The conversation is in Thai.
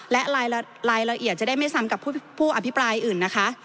และรายละเอียดจะได้ไม่ซ้ำกับผู้อภิปรายอื่นนะคะ